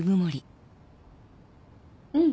うん！